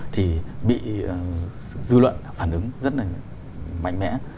thì bị dư luận phản ứng rất là mạnh mẽ